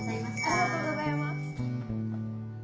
ありがとうございます。